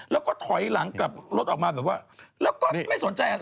แล้วก็ถอยหลังกลับรถออกมาแบบว่าแล้วก็ไม่สนใจอะไร